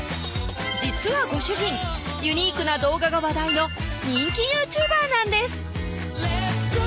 実はご主人ユニークな動画が話題の人気ＹｏｕＴｕｂｅｒなんです